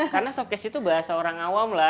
karena softcase itu bahasa orang awam lah